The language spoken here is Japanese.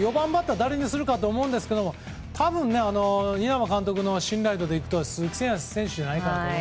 誰にするかと思ったんですが多分、稲葉監督の信頼度でいくと鈴木誠也選手じゃないかと。